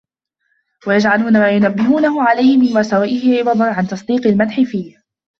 وَيَجْعَلُونَ مَا يُنَبِّهُونَهُ عَلَيْهِ مِنْ مَسَاوِئِهِ عِوَضًا عَنْ تَصْدِيقِ الْمَدْحِ فِيهِ